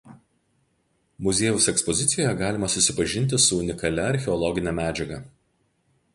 Muziejaus ekspozicijoje galima susipažinti su unikalia archeologine medžiaga.